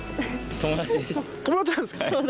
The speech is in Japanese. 友達です。